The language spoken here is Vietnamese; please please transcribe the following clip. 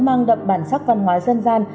mang đậm bản sắc văn hóa dân gian